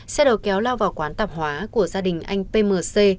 xe đầu kéo lao vào quán tạp hóa của gia đình anh pmc